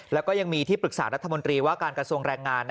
แล้วก็ยังมีที่ปรึกษารัฐมนตรีว่าการกระทรวงแรงงาน